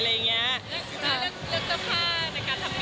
เลือกเจ้าผ้าในทำงานเราหายพบงานอะไรยังไงค่ะ